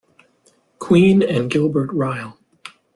Quine and Gilbert Ryle.